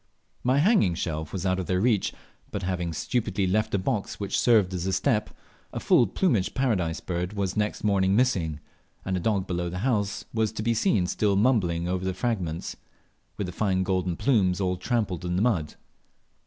My hanging shelf was out of their reach; but having stupidly left a box which served as a step, a full plumaged Paradise bird was next morning missing; and a dog below the house was to be seen still mumbling over the fragments, with the fine golden plumes all trampled in the mud.